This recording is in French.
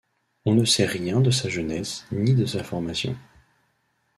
On ne sait rien de sa jeunesse ni de sa formation.